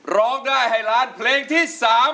ร้องได้ให้ล้านเพลงที่๓